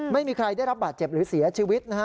ไม่มีใครได้รับบาดเจ็บหรือเสียชีวิตนะฮะ